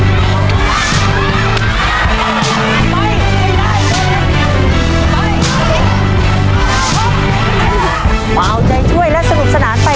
เอาใจช่วยและสนุกสนานไป